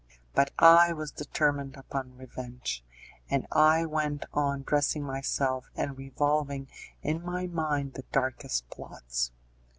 But I was determined upon revenge, and I went on dressing myself and revolving in my mind the darkest plots.